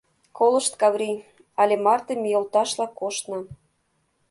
Колышт, Каврий: але марте ме йолташла коштна.